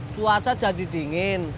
cuaca jadi dingin